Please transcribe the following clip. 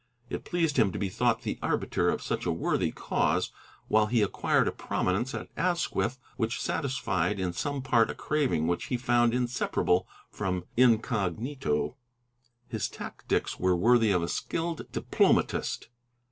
It pleased him to be thought the arbiter of such a worthy cause, while he acquired a prominence at Asquith which satisfied in some part a craving which he found inseparable from incognito. His tactics were worthy of a skilled diplomatist.